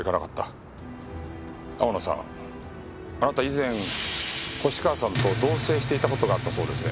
天野さんあなた以前星川さんと同棲していた事があったそうですね。